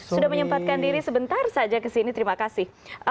sudah menyempatkan diri sebentar saja ke sini terima kasih